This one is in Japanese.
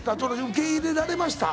受け入れられました？